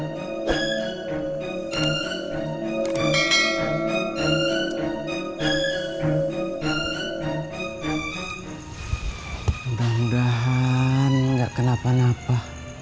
mudah mudahan nggak kenapa napa